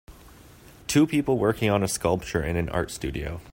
Two people working on a sculpture in an art studio.